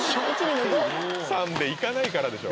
３で行かないからでしょ